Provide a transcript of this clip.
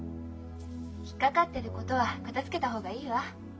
引っ掛かってることは片づけた方がいいわ。